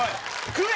食え！